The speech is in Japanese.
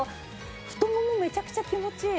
太ももめちゃくちゃ気持ちいい。